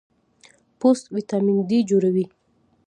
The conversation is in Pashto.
پوست وټامین ډي جوړوي.